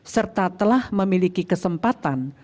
serta telah memiliki kesempatan